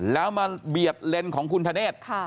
และมาเบียบเลนของทน